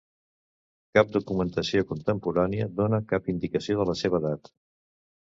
Cap documentació contemporània dóna cap indicació de la seva edat.